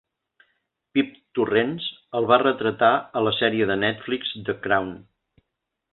Pip Torrens el va retratar a la sèrie de Netflix "The Crown".